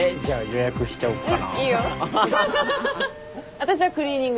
私はクリーニング屋。